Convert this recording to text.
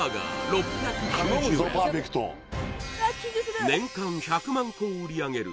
６９０円年間１００万個を売り上げる